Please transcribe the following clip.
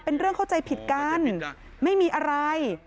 เข้าใจเรื่องเข้าใจผิดกันไม่มีอะไร